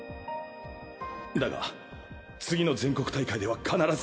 だが次の全国大会では必ず！